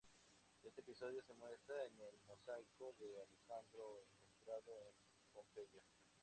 Este episodio se muestra en el Mosaico de Alejandro encontrado en Pompeya.